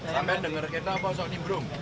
sampai denger kita apa usah diburung